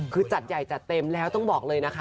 คือจัดใหญ่จัดเต็มแล้วต้องบอกเลยนะคะ